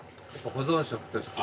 保存食として。